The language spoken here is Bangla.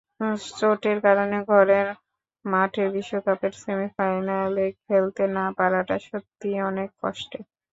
চোটের কারণে ঘরের মাঠের বিশ্বকাপের সেমিফাইনালে খেলতে না-পারাটা সত্যিই অনেক কষ্টের।